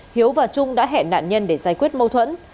hiếu và trung đã hẹn nạn nhân để giải quyết mâu thuẫn